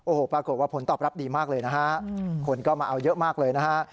โอ้โหปรากฏว่าผลตอบรับดีมากเลยนะฮะคนก็มาเอาเยอะมากเลยนะฮะ